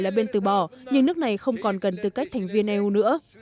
là bên từ bỏ nhưng nước này không còn gần tư cách thành viên eu nữa